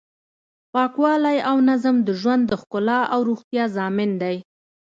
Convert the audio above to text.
پاکوالی او نظم د ژوند د ښکلا او روغتیا ضامن دی.